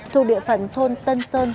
thuộc địa phận thôn tân sơn